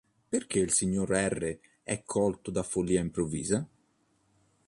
Perché il signor R. è colto da follia improvvisa?